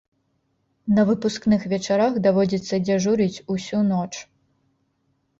На выпускных вечарах даводзіцца дзяжурыць усю ноч.